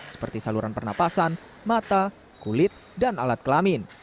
seperti saluran pernapasan mata kulit dan alat kelamin